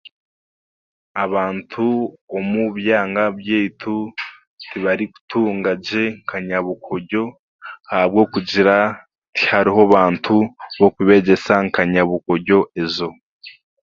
Abantu omu byanga by'eitu tibarikutunga gye kanyabukoryo ahabw'okugira tihariho bantu b'okubegyesa kanyabukoryo ezo.